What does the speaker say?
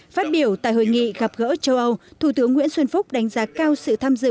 phát biểu tại hội nghị gặp gỡ châu âu thủ tướng nguyễn xuân phúc đánh giá cao sự tham dự